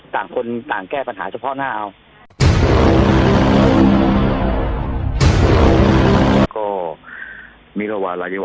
ต่างคนต่างแก้ปัญหาเฉพาะหน้าเอา